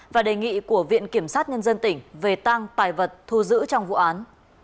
và đề nghị của viện kiểm sát nhân dân tỉnh về tăng tài vật thu giữ trong vụ án